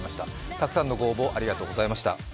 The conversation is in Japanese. たくさんの応募、ありがとうございました。